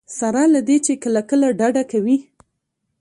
سره له دې چې کله کله ډډه کوي.